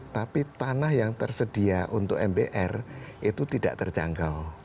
tapi tanah yang tersedia untuk mbr itu tidak terjangkau